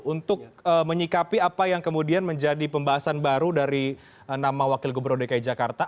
untuk menyikapi apa yang kemudian menjadi pembahasan baru dari nama wakil gubernur dki jakarta